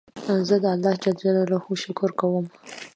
زه د الله جل جلاله شکر کوم.